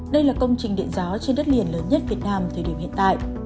đây là công trình điện gió trên đất liền lớn nhất việt nam thời điểm hiện tại